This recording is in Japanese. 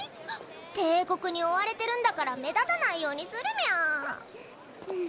帝国に追われてるんだから目立たないようにするニャ。はむっ。